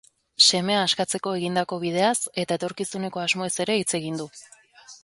Semea askatzeko egindako bideaz eta etorkizuneko asmoez ere hitz egin du.